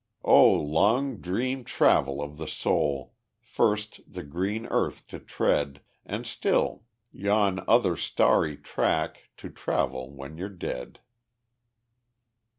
O long dream travel of the soul! First the green earth to tread And still yon other starry track To travel when you're dead_.